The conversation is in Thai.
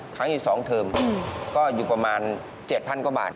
ครั้งที่๒เทอมก็อยู่ประมาณ๗๐๐กว่าบาท